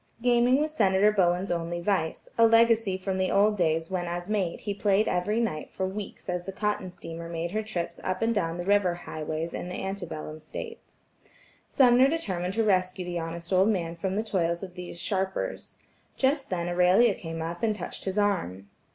Gaming was Senator Bowen's only vice, a legacy from the old days when as mate he played every night for weeks as the cotton steamer made her trips up and down the river highways in the ante bellum days. Sumner determined to rescue the honest old man from the toils of these sharpers. Just then Aurelia came up to him and touched his arm.